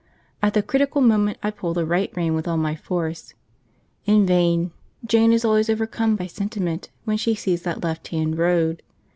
At the critical moment I pull the right rein with all my force. In vain: Jane is always overcome by sentiment when she sees that left hand road.